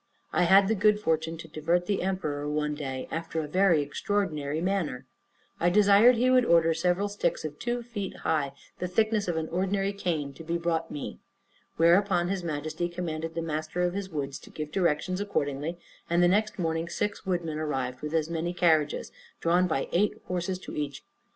I had the good fortune to divert the emperor, one day, after a very extraordinary manner: I desired he would order several sticks of two feet high, and the thickness of an ordinary cane, to be brought me; whereupon his Majesty commanded the master of his woods to give directions accordingly, and the next morning six woodmen arrived with as many carriages, drawn by eight horses to each.